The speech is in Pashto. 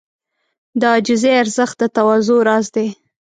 د عاجزۍ ارزښت د تواضع راز دی.